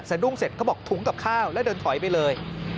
ดุ้งเสร็จเขาบอกถุงกับข้าวแล้วเดินถอยไปเลย